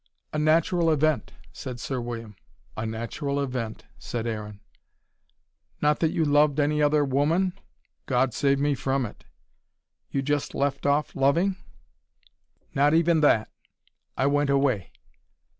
"A natural event," said Sir William. "A natural event," said Aaron. "Not that you loved any other woman?" "God save me from it." "You just left off loving?" "Not even that. I went away."